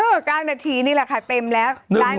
๙นาทีนี่แหละค่ะเต็มแล้ว